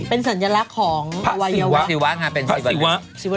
เป็นสัญลักษณ์ของวัยวะภาษีวะภาษีวะภาษีวะ